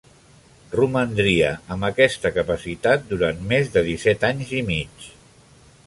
Romandria amb aquesta capacitat durant més de disset anys i mig.